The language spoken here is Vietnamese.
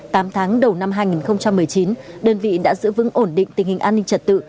tám tháng đầu năm hai nghìn một mươi chín đơn vị đã giữ vững ổn định tình hình an ninh trật tự